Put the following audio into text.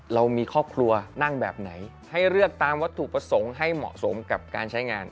เรามีครอบครัวนั่งแบบไหนให้เลือกตามวัตถุประสงค์ให้เหมาะสมกับการใช้งาน